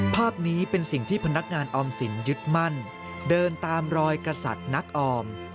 ภาพนี้เป็นสิ่งที่พนักงานออมสินยึดมั่นเดินตามรอยกษัตริย์นักออม